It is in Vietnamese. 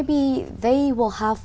vì chúng rất là học việt